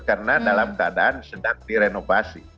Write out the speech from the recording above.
karena dalam keadaan sedang direnovasi